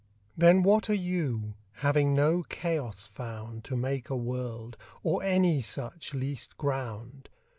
Then what are You, having no Chaos found To make a World, or any such least ground?